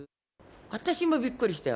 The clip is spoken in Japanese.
私もびっくりしたよ。